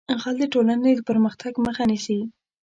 غل د ټولنې د پرمختګ مخه نیسي